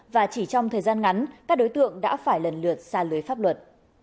và chỉ trong thời gian ngắn các đối tượng đã phải lần lượt xa lưới pháp luật